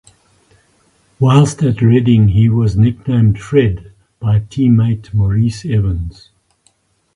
Whilst at Reading he was nicknamed "Fred" by teammate Maurice Evans.